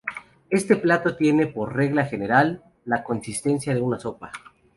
Este plato tiene por regla general la consistencia de una sopa.